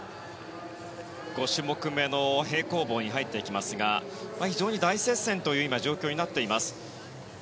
５種目めの平行棒に入っていきますが非常に大接戦という状況になっています。